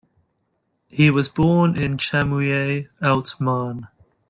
He was born in Chamouilley, Haute Marne.